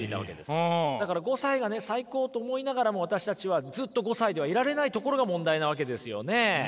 だから５歳がね最高と思いながらも私たちはずっと５歳ではいられないところが問題なわけですよね。